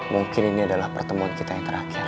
mungkin ini adalah pertemuan kita yang terakhir